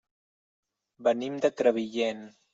Venim de Crevillent.